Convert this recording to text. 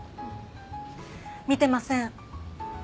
見てません。